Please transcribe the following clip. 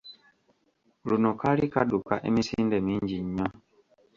Luno kaali kadduka emisinde mingi nnyo.